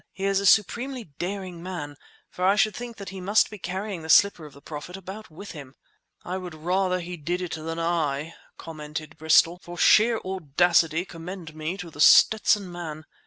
He is a supremely daring man, for I should think that he must be carrying the slipper of the Prophet about with him!" "I would rather he did it than I!" commented Bristol. "For sheer audacity commend me to The Stetson Man!